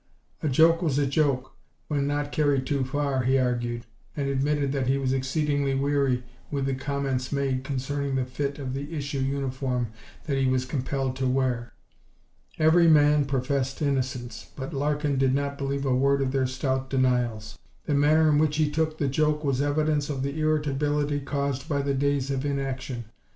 A joke was a joke, when not carried too far, he argued, and admitted that he was exceedingly weary with the comments made concerning the fit of the issue uniform that he was compelled to wear. Every man professed innocence, but Larkin did not believe a word of their stout denials. The manner in which he took the joke was evidence of the irritability caused by the days of inaction.